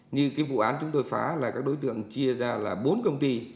như cái vụ án chúng tôi phá là các đối tượng chia ra là bốn công ty